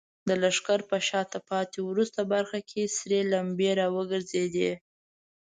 د لښکر په شاته پاتې وروستۍ برخه کې سرې لمبې راوګرځېدې.